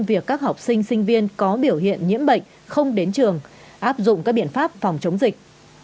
việc các học sinh sinh viên có biểu hiện nhiễm bệnh không đến trường áp dụng các biện pháp phòng chống dịch